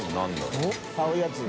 △買うやつ。